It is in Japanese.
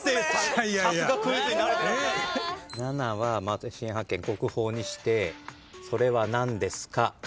７は新発見国宝に指定それは何ですか？